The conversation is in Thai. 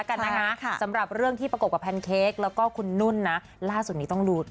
ก็มาเจอกันที่นี่แหละครับ